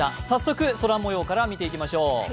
早速、空もようから見ていきましょう。